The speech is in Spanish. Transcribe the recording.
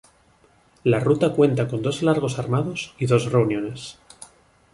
La ruta cuenta con dos largos armados y dos reuniones.